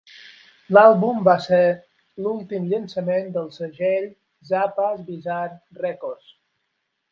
L'àlbum va ser l'últim llançament del segell Zappa's Bizarre Records.